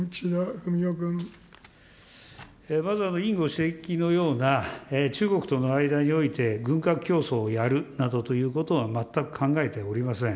まず、委員ご指摘のような、中国との間において軍拡競争をやるなどということは全く考えておりません。